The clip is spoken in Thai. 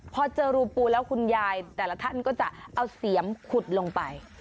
พอเจอรูปูแล้วคุณยายแต่ละท่านก็จะเอาเสียมขุดลงไป